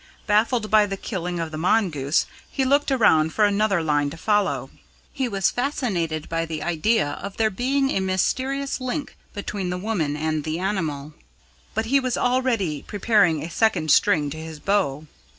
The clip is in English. Baffled by the killing of the mongoose, he looked around for another line to follow. He was fascinated by the idea of there being a mysterious link between the woman and the animal, but he was already preparing a second string to his bow.